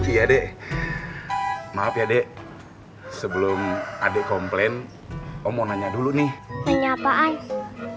iya deh maaf ya dek sebelum adek komplain om mau nanya dulu nih tanya apaan